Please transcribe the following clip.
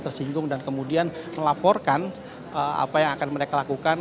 tersinggung dan kemudian melaporkan apa yang akan mereka lakukan